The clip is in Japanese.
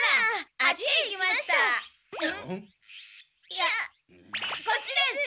いやこっちです。